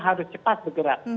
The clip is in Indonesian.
harus cepat bergerak